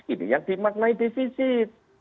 ini yang dimaknai defisit